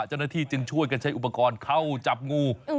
เจ้าหน้าที่จึงช่วยกันใช้อุปกรณ์เข้าจับงู